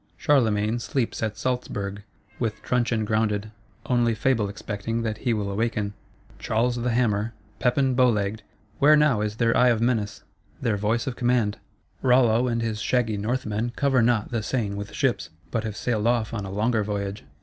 Charlemagne sleeps at Salzburg, with truncheon grounded; only Fable expecting that he will awaken. Charles the Hammer, Pepin Bow legged, where now is their eye of menace, their voice of command? Rollo and his shaggy Northmen cover not the Seine with ships; but have sailed off on a longer voyage.